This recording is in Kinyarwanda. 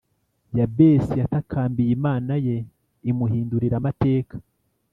yabesi yatakambiye imana ye imuhindurira amateka